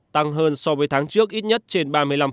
tăng hơn so với tháng trước ít nhất trên ba mươi năm